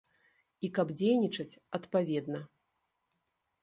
І каб дзейнічаць адпаведна.